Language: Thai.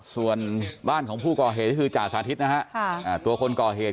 ส่วนบ้านของผู้ก่อเหตุก็คือจ่าสาธิตนะฮะตัวคนก่อเหตุ